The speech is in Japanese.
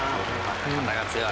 肩が強い。